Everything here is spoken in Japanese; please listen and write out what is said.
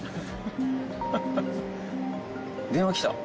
電話きた。